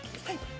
はい。